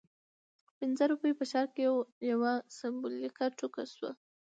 پنځه روپۍ په ښار کې یوه سمبولیکه ټوکه شوه.